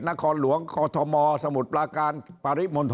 นะครหลวงทระธมัวสมุทรปลาการพาริมณฑล